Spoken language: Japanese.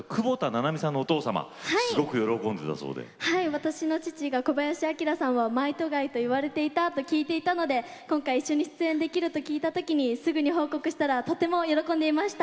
私の父が小林旭さんをマイトガイといわれていたと聞いていたので今回一緒に出演できると聞いた時にすぐに報告したらとても喜んでいました。